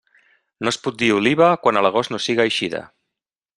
No es pot dir oliva quan a l'agost no siga eixida.